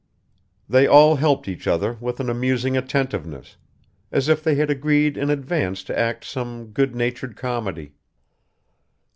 They all helped each other with an amusing attentiveness, as if they had agreed in advance to act some good natured comedy.